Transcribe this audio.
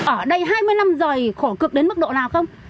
ở đây hai mươi năm rồi khổ cực đến mức độ nào không